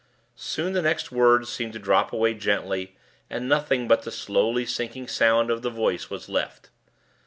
Soon the next words seemed to drop away gently, and nothing but the slowly sinking sound of the voice was left.